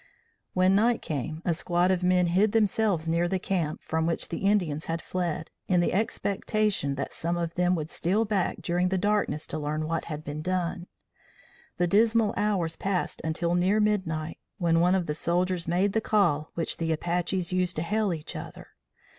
When night came a squad of men hid themselves near the camp, from which the Indians had fled, in the expectation that some of them would steal back during the darkness to learn what had been done. The dismal hours passed until near midnight, when one of the soldiers made the call which the Apaches use to hail each other.